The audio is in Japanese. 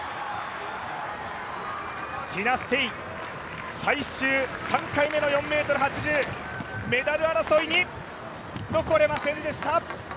ティナ・ステイ、最終３回目の４ｍ８０メダル争いに残れませんでした。